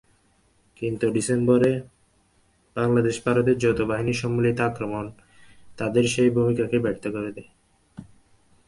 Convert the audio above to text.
কিন্তু ডিসেম্বরে বাংলাদেশ-ভারতের যৌথবাহিনীর সম্মিলিত আক্রমণ তাঁদের সেই ভূমিকাকে ব্যর্থ করে দেয়।